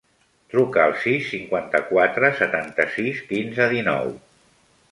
Truca al sis, cinquanta-quatre, setanta-sis, quinze, dinou.